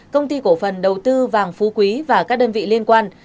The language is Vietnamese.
công ty cổ phần đầu tư vàng phú quý và các đơn vị liên quan